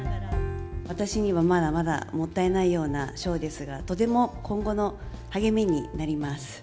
私にはまだまだもったいないような賞ですが、とても今後の励みになります。